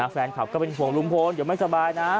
แฟนคลับก็เป็นห่วงลุงพลเดี๋ยวไม่สบายนะ